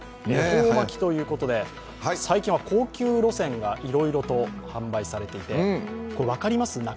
恵方巻きということで、最近は高級路線がいろいろと販売されていて分かります？